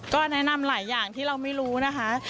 ก็แนะนำหลายอย่างที่เราไม่รู้นะคะ